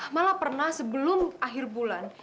malah pernah sebelum akhir bulan